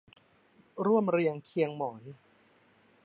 ร่วมเรียงเคียงหมอน